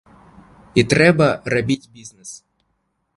І трэба рабіць бізнэс.